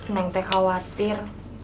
neng teh khawatir